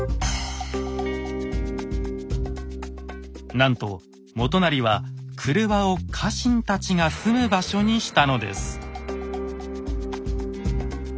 なんと元就は郭を家臣たちが住む場所にしたのです。